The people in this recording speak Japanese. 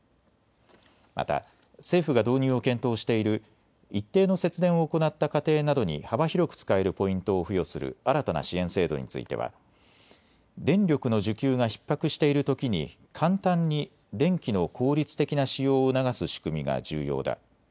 また政府が導入を検討している一定の節電を行った家庭などに幅広く使えるポイントを付与する新たな支援制度については電力の需給がひっ迫しているときに簡単に電気の効率的な使用を促す仕組みが重要だ。